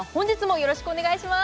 よろしくお願いします！